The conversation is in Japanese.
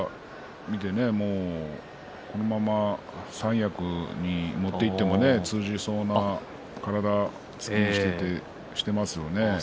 見ていて、このまま三役に持っていっても通じそうな体をしてますよね。